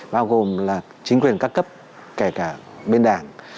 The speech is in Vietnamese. bao gồm là chính quyền các cấp kể cả bên đảng